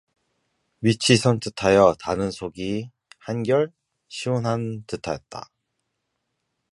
밑이 선뜻하여 다는 속이 한결 시원한 듯하였다.